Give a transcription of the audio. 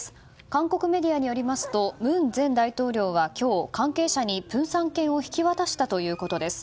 韓国メディアによりますと文前大統領は今日、関係者にプンサン犬を引き渡したということです。